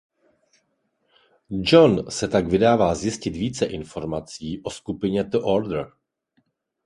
John se tak vydává zjistit více informací o skupině The Order.